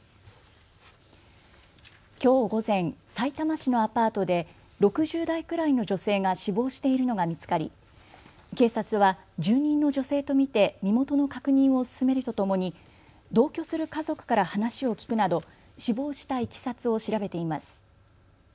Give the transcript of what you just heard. きょう午前、さいたま市のアパートで６０代くらいの女性が死亡しているのが見つかり警察は住人の女性と見て身元の確認を進めるとともに同居する家族から話を聞くなど死亡したいきさつを調べています。